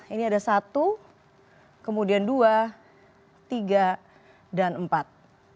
ini ada satu kemudian dua tiga dan empat